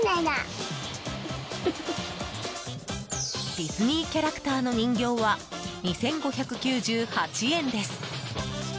ディズニーキャラクターの人形は、２５９８円です。